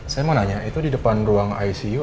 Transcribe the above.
saya mau nanya itu di depan ruang icu